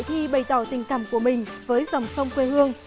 khi bày tỏ tình cảm của mình với dòng sông quê hương